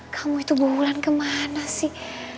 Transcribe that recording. kamu itu bu ulan kemana sih